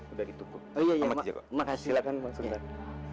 udah gitu kok sama di jakarta silahkan langsung